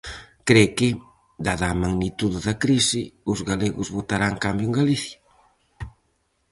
Cre que, dada a magnitude da crise, os galegos votarán cambio en Galicia?